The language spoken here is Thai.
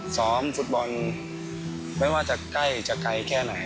ซ้อมฟุตบอลไม่ว่าจะใกล้จะไกลแค่ไหน